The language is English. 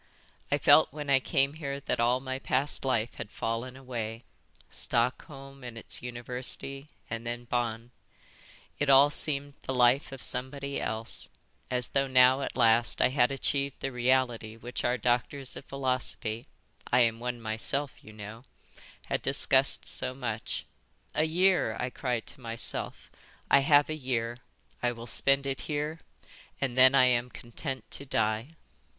I felt when I came here that all my past life had fallen away, Stockholm and its University, and then Bonn: it all seemed the life of somebody else, as though now at last I had achieved the reality which our doctors of philosophy—I am one myself, you know—had discussed so much. 'A year,' I cried to myself. 'I have a year. I will spend it here and then I am content to die.'"